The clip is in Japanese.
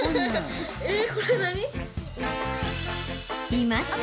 ［いました！］